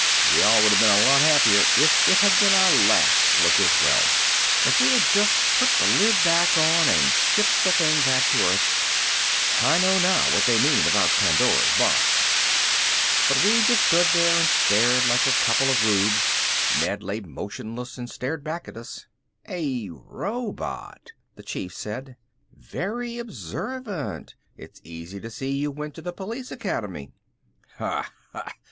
We all would have been a lot happier if it had been our last look as well. If we had just put the lid back on and shipped the thing back to earth! I know now what they mean about Pandora's Box. But we just stood there and stared like a couple of rubes. Ned lay motionless and stared back at us. "A robot!" the Chief said. "Very observant; it's easy to see you went to the police academy." "Ha ha!